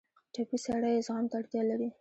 ټپي سړی زغم ته اړتیا لري.